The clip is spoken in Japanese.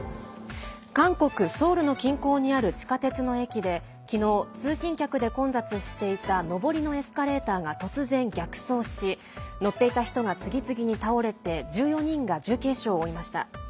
韓国・ソウルの近郊にある地下鉄の駅で昨日通勤客で混雑していた上りのエスカレーターが突然、逆走し乗っていた人が次々に倒れて１４人が重軽傷を負いました。